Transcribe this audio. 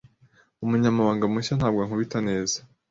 Umunyamabanga mushya ntabwo ankubita neza.